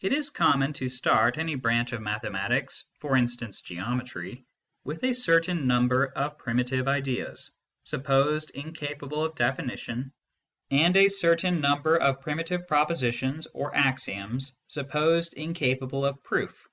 It is common to start any branch of mathematics for instance, Geometry with a certain number of primitive ideas, supposed incapable of definition, and a certain number of primitive propositions or axioms, supposed incapable of proof.